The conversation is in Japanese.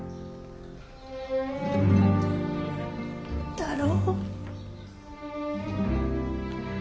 太郎。